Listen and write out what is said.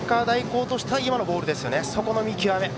旭川大高としては今のボールですね、そこの見極め。